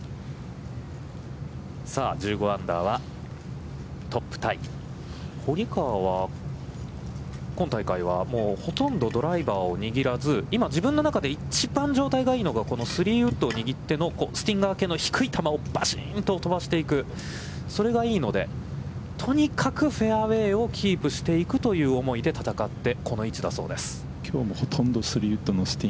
さあ、１５アンダーはトップタイ、堀川は、今大会、もうほとんどドライバーを握らず、今自分の中で一番状態がいいのがこの３番ウッドを握っての低い球をバシンと飛ばしていく、それがいいので、とにかくフェアウェイをキープしていくという思いで戦ってこの位置だそうです。